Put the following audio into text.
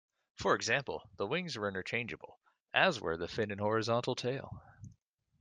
For example the wings were interchangeable as were the fin and horizontal tail.